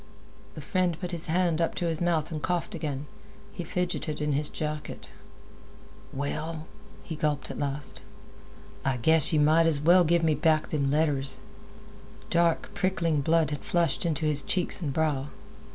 The friend put his hand up to his mouth and coughed again. He fidgeted in his jacket. "Well," he gulped at last, "I guess yeh might as well give me back them letters." Dark, prickling blood had flushed into his cheeks and brow.